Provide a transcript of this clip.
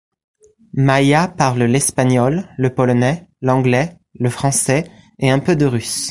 Maya parle l'espagnol, le polonais, l'anglais, le français et un peu de russe.